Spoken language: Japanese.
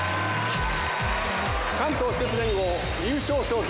関東私鉄連合優勝賞品